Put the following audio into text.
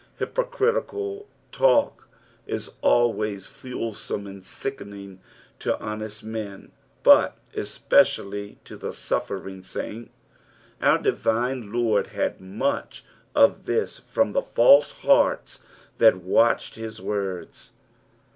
Hypocritical talk is always fulsome and sickening to honest men, hut especially to the suffering anint. Our divine Lord had much of this from the false hearts that watched his words.